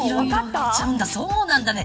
そうなんだね。